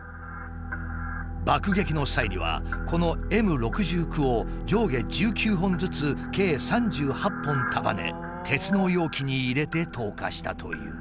爆撃の際にはこのＭ６９を上下１９本ずつ計３８本束ね鉄の容器に入れて投下したという。